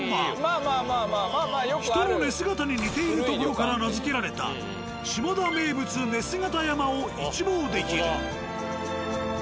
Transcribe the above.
人の寝姿に似ているところから名付けられた下田名物寝姿山を一望できる。